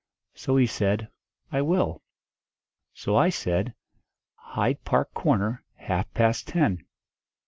So he said, 'I will.' So I said, 'Hyde Park Corner, half past ten.'